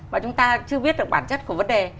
và chúng ta chưa biết được bản chất của vấn đề